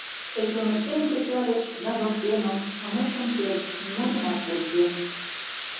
Тый чоныштем кычальыч ныжыл семым, А мый шым керт нимо денат полшен.